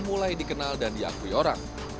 mulai dikenal dan diakui orang